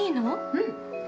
うん。